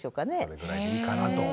これぐらいでいいかなと。